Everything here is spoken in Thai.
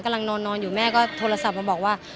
กำลังนอนอยู่แม่ก็โทรศัพท์มาบอกว่า